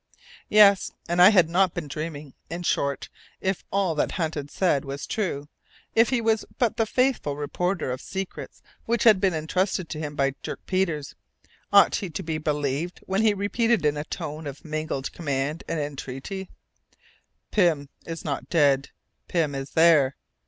Yes, and I had not been dreaming! In short, if all that Hunt had just said was true, if he was but the faithful reporter of secrets which had been entrusted to him by Dirk Peters, ought he to be believed when he repeated in a tone of mingled command and entreaty, "Pym is not dead. Pym is there.